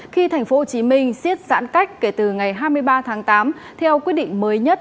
khi tp hcm siết giãn cách kể từ ngày hai mươi ba tháng tám theo quyết định mới nhất